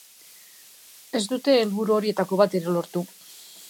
Ez dute helburu horietako bat ere lortu.